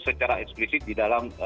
secara eksplisit di dalam